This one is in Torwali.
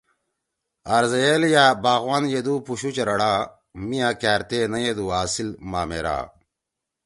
آرزئیل یأ باغوان یدُو پُوشُو چرڑا، میِا کأرتے نیدُو اصیل مامیرا